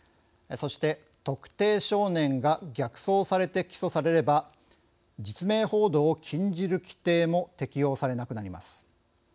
そして、特定少年が逆送されて起訴されれば実名報道を禁じる規定も適用されなくなります。